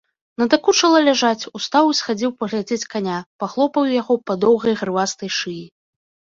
Надакучыла ляжаць, устаў і схадзіў паглядзець каня, пахлопаў яго па доўгай грывастай шыі.